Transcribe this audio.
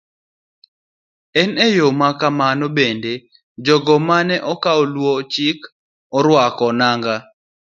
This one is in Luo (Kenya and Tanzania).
E yo ma kamano bende, jogo ma ne ok luw chik mar rwako nanga,